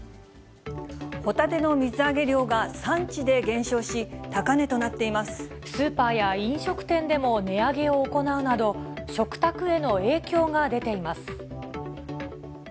ホタテの水揚げ量が産地で減スーパーや飲食店でも値上げを行うなど、食卓への影響が出ています。